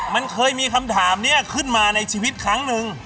มันเคยมีคำถามนี้ขึ้นมาในชีวิตครั้งหนึ่ง